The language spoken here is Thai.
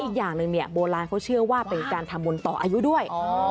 อีกอย่างหนึ่งเนี่ยโบราณเขาเชื่อว่าเป็นการทำบุญต่ออายุด้วย